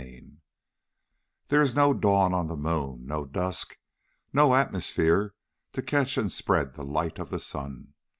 CHAPTER 9 There is no dawn on the moon, no dusk, no atmosphere to catch and spread the light of the sun.